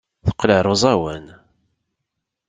Teqqel ɣer uẓawan.